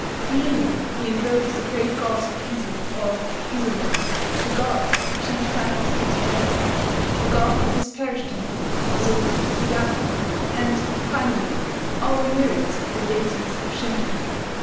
Kneeling, he invokes the great gods of Ise or of Izumo, the gods of the chief temples of his province, the god of his parish temple also (Ujigami), and finally all the myriads of the deities of Shinto.